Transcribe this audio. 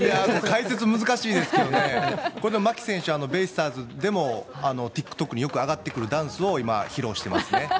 解説難しいですけどね牧選手はベイスターズでもＴｉｋＴｏｋによく上がってくるダンスを今、披露してますね。